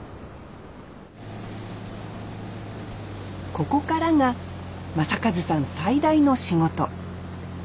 ここからが将和さん最大の仕事。